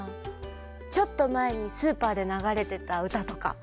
ちょっとまえにスーパーでながれてたうたとか。